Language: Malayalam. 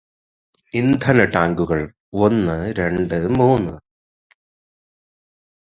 ഇന്ധന ടാങ്കുകൾ ഒന്നു രണ്ട് മൂന്ന്